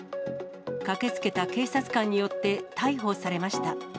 駆けつけた警察官によって、逮捕されました。